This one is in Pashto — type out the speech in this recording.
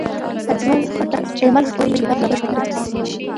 ایمل خټک وايي کتاب لا بشپړ نه دی چاپ شوی.